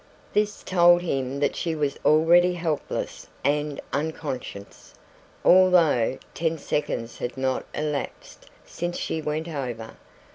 This told him that she was already helpless and unconscious, although ten seconds had not elapsed since she went over.